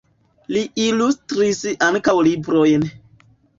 Li ilustris ankaŭ librojn.